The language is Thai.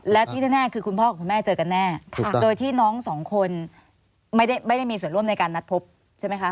และที่แน่คือคุณพ่อกับคุณแม่เจอกันแน่โดยที่น้องสองคนไม่ได้มีส่วนร่วมในการนัดพบใช่ไหมคะ